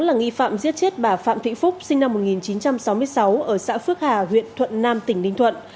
là nghi phạm giết chết bà phạm thị phúc sinh năm một nghìn chín trăm sáu mươi sáu ở xã phước hà huyện thuận nam tỉnh ninh thuận